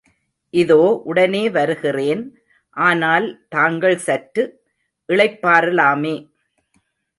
இதோ உடனே வருகிறேன் ஆனால் தாங்கள் சற்று இளைப்பாற லாமே.